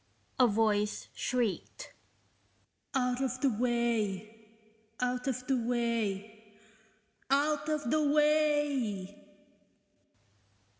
a voice shrieked "out of the way, out of the way, OUT OF THE WAY!"